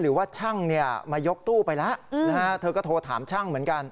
หรือว่าช่างมายกตู้ไปแล้วเธอก็โทรถามช่างเหมือนกัน